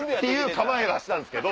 構えはしてたんですけど。